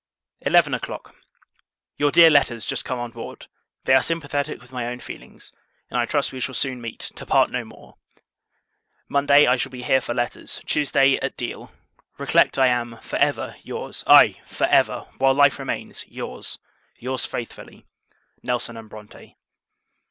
Eleven o'Clock. Your dear letters just come on board. They are sympathetic with my own feelings; and, I trust, we shall soon meet, to part no more! Monday, I shall be here for letters; Tuesday, at Deal. Recollect, I am, for ever, your's; aye, for ever, while life remains, your's, your's faithfully, NELSON & BRONTE.